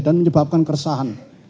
dan menyebabkan keresahan